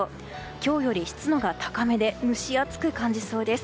今日より湿度が高めで蒸し暑く感じそうです。